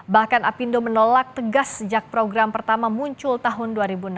bahkan apindo menolak tegas sejak program pertama muncul tahun dua ribu enam belas